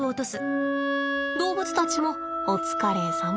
動物たちもお疲れさま。